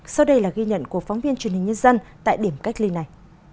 sau đây là ghi nhận của phóng viên truyền hình nhân dân tại điểm cách ly này